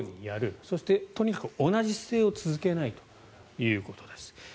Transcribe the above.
そして、とにかく同じ姿勢を続けないということです。